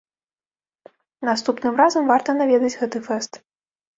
Наступным разам варта наведаць гэты фэст.